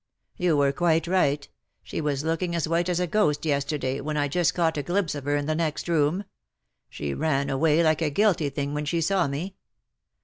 ^' You were quite right. She was looking as white as a ghost yesterday when , I just caught a glimpse of her in the next room. She ran away like a guilty thing when she saw me.